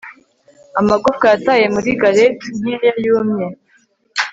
Amagufwa yataye muri garret nkeya yumye